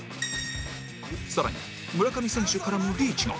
更に村上選手からもリーチが